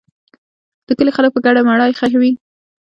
د کلي خلک په ګډه مړی ښخوي.